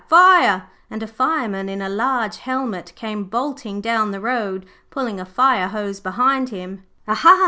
Fire!' and a Fireman in a large helmet came bolting down the road, pulling a fire hose behind him. 'Aha!'